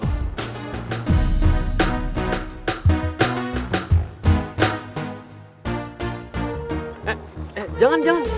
eh eh jangan jangan